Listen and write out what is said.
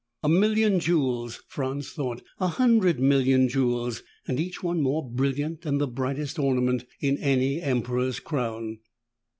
A million jewels, Franz thought, a hundred million jewels, and each one more brilliant than the brightest ornament in any emperor's crown.